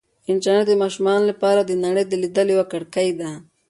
انټرنیټ د ماشومانو لپاره د نړۍ د لیدلو یوه کړکۍ ده.